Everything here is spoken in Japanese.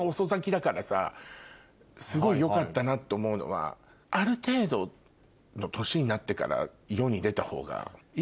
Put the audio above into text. すごいよかったなと思うのはある程度の年になってから世に出たほうが。